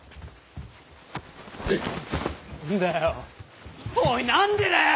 何だよおい何でだよ！